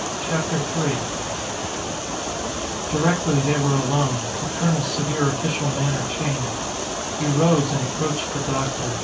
CHAPTER THREE Directly they were alone, the colonel's severe official manner changed. He rose and approached the doctor.